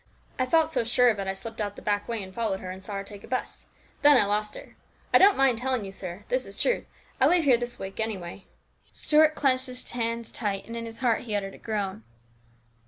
I felt so sure of it I slipped out the back way and followed her, and saw her take a 'bus, and then I lost her. I don't mind telling you, sir ; this is truth. I leave here this week, anyway." Stuart clenched his hands tight, and in his heart he uttered a groan.